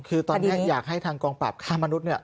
คือตอนแรกอยากให้ทางกองปราบค้ามนุษย์เนี่ย